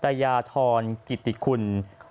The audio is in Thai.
พระเจ้าหลานเธอพระองค์เจ้าสิริภาจุธาพร